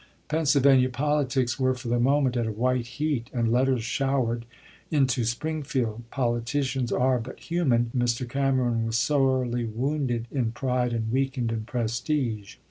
Pennsylvania politics were for the moment at a white heat, and letters showered into Springfield. Politicians are but human, and Mr. Cameron was sorely wounded in pride and weakened in prestige.